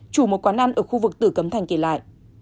chủ một quán ăn ở khu vực tử cấm thành kể lại